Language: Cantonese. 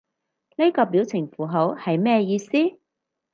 呢個表情符號係咩意思？